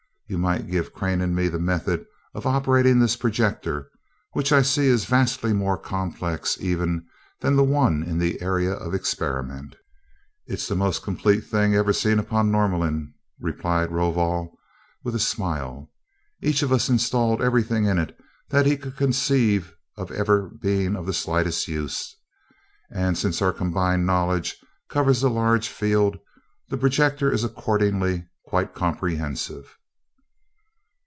You might give Crane and me the method of operating this projector, which I see is vastly more complex even than the one in the Area of Experiment." "It is the most complete thing ever seen upon Norlamin," replied Rovol with a smile. "Each of us installed everything in it that he could conceive of ever being of the slightest use, and since our combined knowledge covers a large field, the projector is accordingly quite comprehensive."